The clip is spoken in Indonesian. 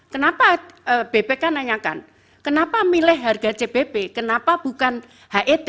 kenapa bpk nanyakan kenapa milih harga cbp kenapa bukan het